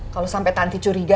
kalau sampai tanti curiga